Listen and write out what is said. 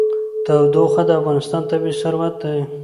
تودوخه د افغانستان طبعي ثروت دی.